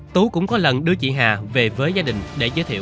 tú cũng có lần đưa chị hà về với gia đình để giới thiệu